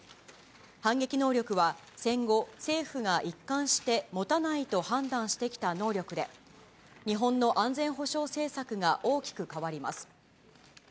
反撃能力は、戦後、政府が一貫して持たないと判断してきた能力で、日本の安全保障政策が大きく変わります。